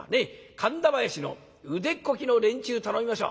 神田囃子の腕っこきの連中頼みましょう。